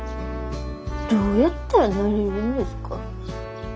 どうやったらなれるんですか？